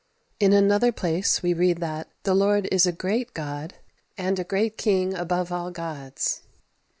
" In another place we read that "The Lord is a great God, and a great King above all gods."